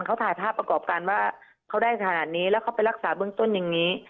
เขาถ่ายภาพประกอบการว่าเขาได้ขนาดนี้แล้วเขาไปรักษาเบื้องต้นอย่างนี้